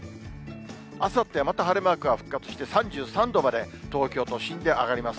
あさってはまた晴れマークが復活して、３３度まで東京都心で上がります。